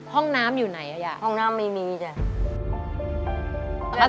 ห้องน้ำอยู่ไหนอ่ะห้องน้ำไม่มีจ้ะ